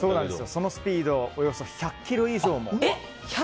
そのスピードはおよそ１００キロ以上も。